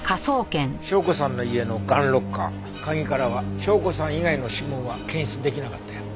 紹子さんの家のガンロッカー鍵からは紹子さん以外の指紋は検出できなかったよ。